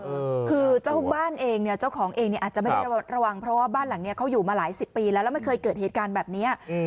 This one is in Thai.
เออคือเจ้าบ้านเองเนี่ยเจ้าของเองเนี้ยอาจจะไม่ได้ระวังเพราะว่าบ้านหลังเนี้ยเขาอยู่มาหลายสิบปีแล้วแล้วไม่เคยเกิดเหตุการณ์แบบเนี้ยอืม